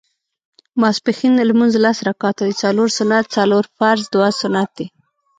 ماسپښېن لمونځ لس رکعته دی څلور سنت څلور فرض دوه سنت دي